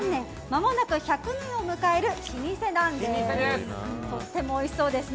まもなく１００年を迎える老舗なんです。